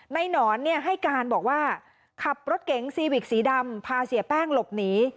หนอนให้การบอกว่าขับรถเก๋งซีวิกสีดำพาเสียแป้งหลบหนี